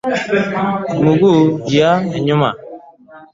miguu ya nyuma